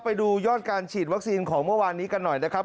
ไปดูยอดการฉีดวัคซีนของเมื่อวานนี้กันหน่อยนะครับ